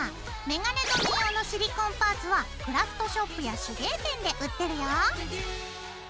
メガネ留め用のシリコンパーツはクラフトショップや手芸店で売ってるよ。